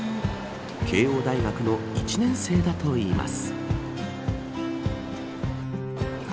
慶応大学の１年生だといいます。